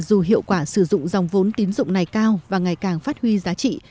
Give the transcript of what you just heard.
dù hiệu quả sử dụng dòng vốn tín dụng này cao và ngày càng phát huy giá trị